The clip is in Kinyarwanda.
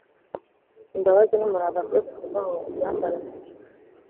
imbabazi n’umurava bye kukuvaho, ubyambare mu ijosi,